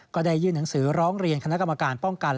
ก็ได้ยื่นหนังสือร้องเรียนคณะกรรมการป้องกัน